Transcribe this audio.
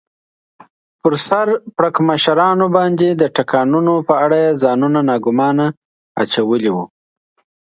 پر سر پړکمشرانو باندې د ټکانونو په اړه یې ځانونه ناګومانه اچولي و.